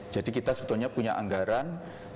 jadi kita sebetulnya punya anggaran